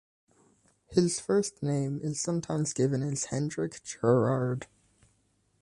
His first name is sometimes given as Hendrik Gerard.